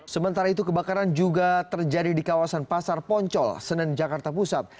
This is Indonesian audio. sementara itu kebakaran juga terjadi di kawasan pasar poncol senen jakarta pusat